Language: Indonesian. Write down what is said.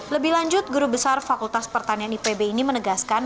lebih lanjut guru besar fakultas pertanian ipb ini menegaskan